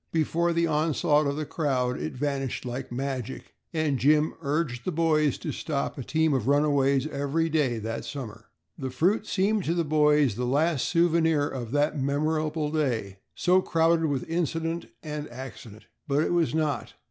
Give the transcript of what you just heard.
Before the onslaught of the crowd it vanished like magic and Jim urged the boys to stop a team of runaways every day that summer. The fruit seemed to the boys the last souvenir of that memorable day, so crowded with incident and accident. But it was not.